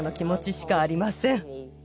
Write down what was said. しかありません